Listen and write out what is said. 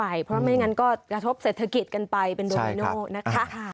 เพราะไม่งั้นก็กระทบเศรษฐกิจกันไปเป็นโดมิโนนะคะ